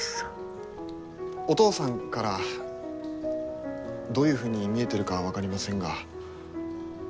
お父さんからどういうふうに見えてるかは分かりませんが。